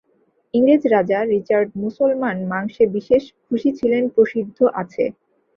ইংরেজ রাজা রিচার্ড মুসলমান-মাংসে বিশেষ খুশী ছিলেন, প্রসিদ্ধ আছে।